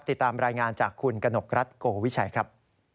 ติดตามรายงานจากคุณกนกรัฐโกวิชัยครับ